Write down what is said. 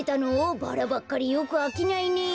バラばっかりよくあきないね。